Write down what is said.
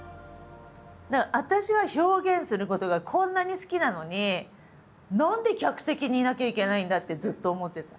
私は表現することがこんなに好きなのに何で客席にいなきゃいけないんだってずっと思ってた。